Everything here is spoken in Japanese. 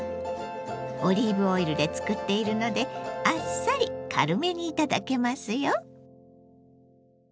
オリーブオイルで作っているのであっさり軽めに頂けますよ。